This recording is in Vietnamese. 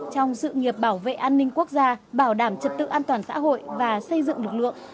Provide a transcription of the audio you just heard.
trong sự nghiệp bảo vệ an ninh quốc gia bảo đảm trật tự an toàn xã hội và xây dựng lực lượng